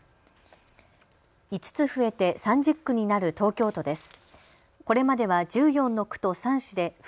５つ増えて３０区になる東京都です。